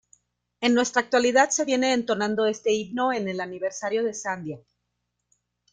En nuestra actualidad se viene entonando este himno en el Aniversario de Sandia.